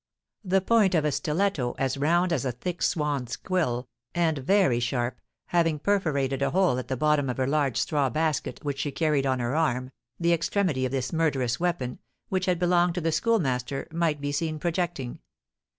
The point of a stiletto, as round as a thick swan's quill, and very sharp, having perforated a hole at the bottom of her large straw basket which she carried on her arm, the extremity of this murderous weapon, which had belonged to the Schoolmaster, might be seen projecting.